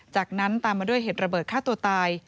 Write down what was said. จากนั้นตามมาด้วยเหตุระเบิดฆ่าตัวตาย